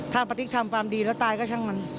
ถ้าป้าติ๊กทำความดีแล้วตายก็ช่างมัน